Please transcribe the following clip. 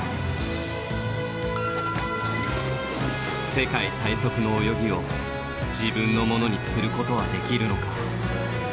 世界最速の泳ぎを自分のものにすることはできるのか。